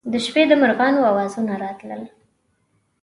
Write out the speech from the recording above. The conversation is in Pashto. د شپې د مرغانو اوازونه راتلل.